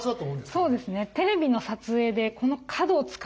そうですね。